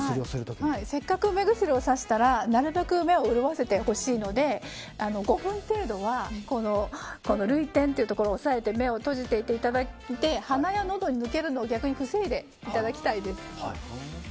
せっかく目薬をさしたらなるべく目を潤してほしいので５分程度は涙点というところを抑えて目を閉じていただいて鼻や、のどに抜けるのを逆に防いでいただきたいです。